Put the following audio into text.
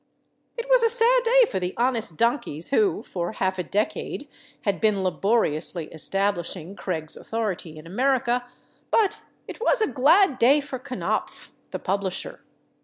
It was a sad day for the honest donkeys who, for half a decade, had been laboriously establishing Craig's authority in America, but it was a glad day for Knopf, the publisher.